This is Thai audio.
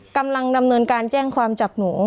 กำลังจะแจ้งความตัดหนู